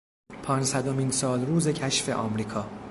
پانصدمین سالروز کشف امریکا